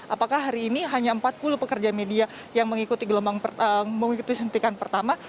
apakah hari ini hanya empat puluh pekerja media yang mengikuti gelombang mengikuti sentikan pertama